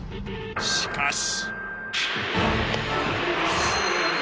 しかし。